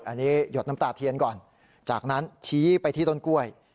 อันนี้หยดน้ำตาเทียนก่อนจากนั้นชี้ไปที่ต้นกล้วย